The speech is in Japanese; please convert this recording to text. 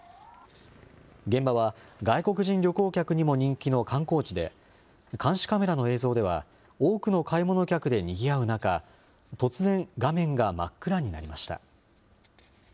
現場は外国人旅行客にも人気の観光地で、監視カメラの映像では、多くの買い物客でにぎわう中、突然、画面が真っ暗になりました。